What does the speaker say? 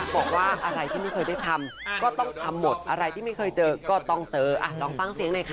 บอกว่าอะไรที่ไม่เคยได้ทำก็ต้องทำหมดอะไรที่ไม่เคยเจอก็ต้องเจอลองฟังเสียงหน่อยค่ะ